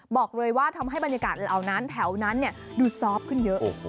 บอกเลยว่าทำให้บรรยากาศเหล่านั้นแถวนั้นดูซอฟต์ขึ้นเยอะ